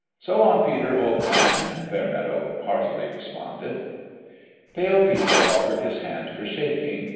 " So long, Peter, old man !" Fairmeadow heartily responded. Pale Peter offered his hand for shaking.